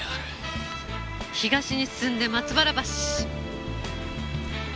東に進んで松原橋。